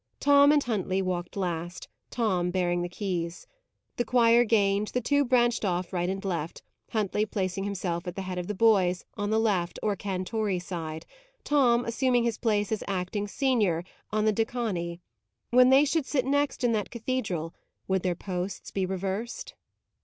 Tom and Huntley walked last, Tom bearing the keys. The choir gained, the two branched off right and left, Huntley placing himself at the head of the boys on the left, or cantori side; Tom, assuming his place as acting senior, on the decani. When they should sit next in that cathedral would their posts be reversed?